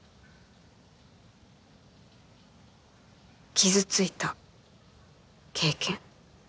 傷ついた経験。